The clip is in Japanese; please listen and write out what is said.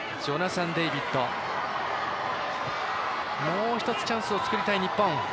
もう１つチャンスを作りたい日本。